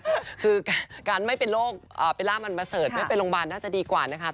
คือการไม่เป็นโรคไปลากมันมาเสิร์ชไม่เป็นโรงพยาบาลน่าจะดีกว่านะคะ